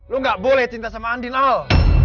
lu gak boleh cinta sama andin al